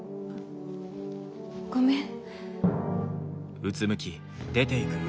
ごめん。